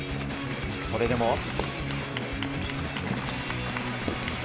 それでも。